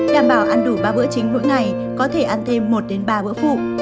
đảm bảo ăn đủ ba bữa chính mỗi ngày có thể ăn thêm một ba bữa phụ